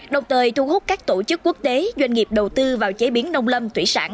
đồng thời thu hút các tổ chức quốc tế doanh nghiệp đầu tư vào chế biến nông lâm thủy sản